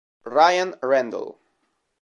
Ryan Randle